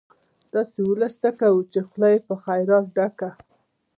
داسې ولس څه کوو، چې خوله يې په خيرات ډکه